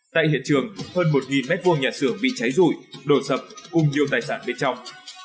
tại hiện trường hơn một m hai nhà xưởng bị cháy rùi đổ sập cùng nhiều tài sản bên trong